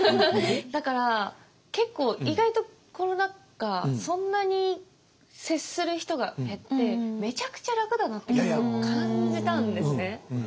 だから結構意外とコロナ禍そんなに接する人が減ってめちゃくちゃ楽だなって感じたんですね。